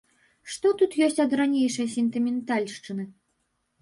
Што тут ёсць ад ранейшай сентыментальшчыны?